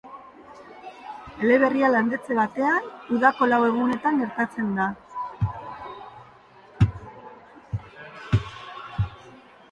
Eleberria landetxe batean, udako lau egunetan gertatzen da.